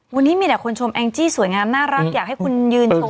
วันนี้มีแต่คนชมแองจี้สวยงามน่ารักอยากให้คุณยืนชม